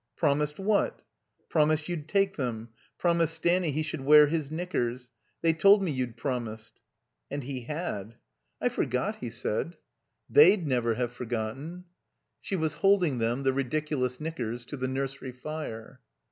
"Promised what?" "Promised you'd take them. Promised Stanny he should wear his knickers. They told me you'd promised." And he had. "I forgot," he said. 314 THE COMBINED MAZE <i They'd never have forgotten." She was holding them, the ridiculous knickers, to the nursery fire.